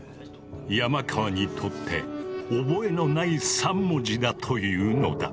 山川にとって覚えのない３文字だというのだ。